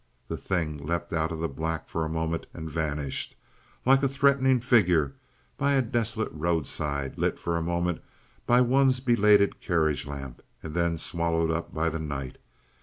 The thing leapt out of the black for a moment and vanished, like a threatening figure by a desolate roadside lit for a moment by one's belated carriage lamp and then swallowed up by the night.